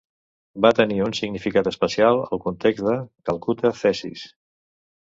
Va tenir un significat especial al context de 'Calcutta thesis'.